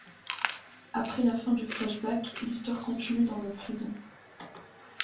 Après la fin du flashback, l'histoire continue dans le présent.